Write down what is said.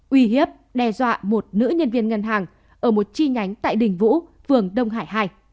uy hiếp đe dọa một nữ nhân viên ngân hàng ở một chi nhánh tại đình vũ phường đông hải hai